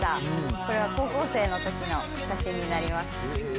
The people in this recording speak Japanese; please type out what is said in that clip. これは高校生のときの写真になります。